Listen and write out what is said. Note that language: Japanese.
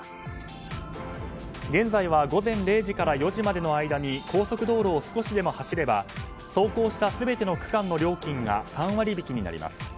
現在は午前０時から４時までの間に高速道路を少しでも走れば走行した全ての区間の料金が３割引きになります。